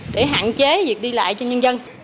để hạn chế việc đi lại cho nhân dân